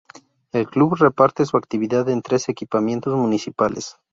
El club reparte su actividad en tres equipamientos municipales.